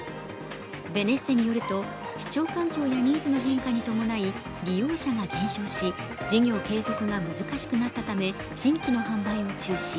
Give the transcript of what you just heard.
ベネッセによると、視聴環境やニーズの変化に伴い利用者が減少し、事業継続が難しくなったため、新規の販売を中止。